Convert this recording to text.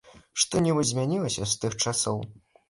Што-небудзь змянілася з тых часоў?